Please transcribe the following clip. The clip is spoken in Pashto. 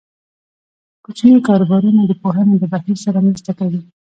کوچني کاروبارونه د پوهنې له بهیر سره مرسته کوي.